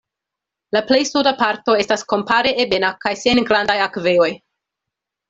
La plej suda parto estas kompare ebena kaj sen grandaj akvejoj.